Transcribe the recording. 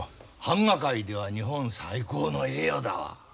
版画界では日本最高の栄誉だわ。